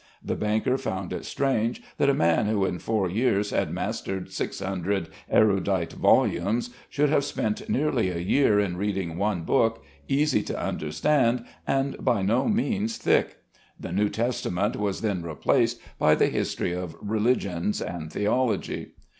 The banker found it strange that a man who in four years had mastered six hundred erudite volumes, should have spent nearly a year in reading one book, easy to understand and by no means thick. The New Testament was then replaced by the history of religions and theology.